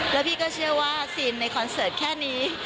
แล้วพี่ก็เชื่อว่าซีนในคอนเสิร์ตแค่นี้